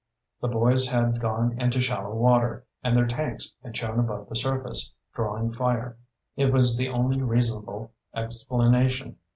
The boys had gone into shallow water, and their tanks had shown above the surface, drawing fire. It was the only reasonable explanation.